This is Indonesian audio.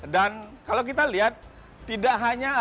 dan kalau kita lihat tidak hanya asingnya